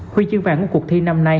huy chương vàng của cuộc thi năm nay